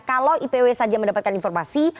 kalau ipw saja mendapatkan informasi